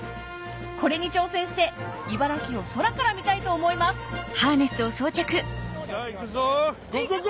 これに挑戦して茨城を空から見たいと思います行くぞ！